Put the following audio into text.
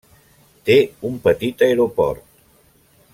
Té un petit aeroport.